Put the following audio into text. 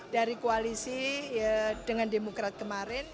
dari koalisi dengan demokrat kemarin